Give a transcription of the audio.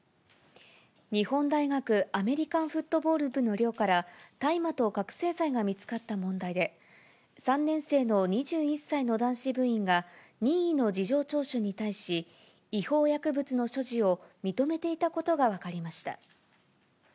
日本大学アメリカンフットボール部の寮から、大麻と覚醒剤が見つかった問題で、３年生の２１歳の男子部員が任意の事情聴取に対し、違法薬物の所持を認めていたことが分かりました。